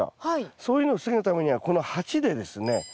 そういうのを防ぐためにはこの鉢でですね